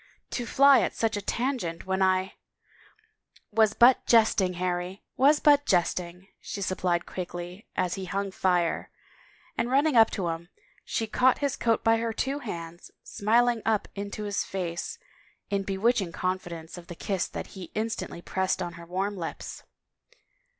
" To fly at such a tangent when I —"" Was but jesting, Harry, was but jesting," she sup plied quickly as he hung fire, and running to him, she caught his coat by her two hands, smiling up into his face in bewitching confidence of the kiss that he instantly pressed on her warm lips.